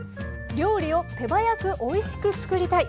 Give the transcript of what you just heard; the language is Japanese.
料理を手早くおいしく作りたい。